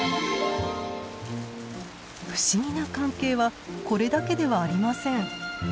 不思議な関係はこれだけではありません。